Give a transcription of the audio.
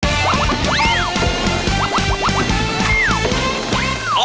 อบจมหาสนุก